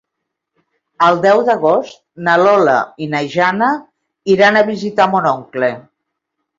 El deu d'agost na Lola i na Jana iran a visitar mon oncle.